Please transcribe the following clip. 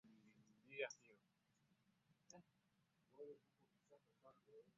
his influence kwenye hiyo na hata labda tukienda sasa kwa sudan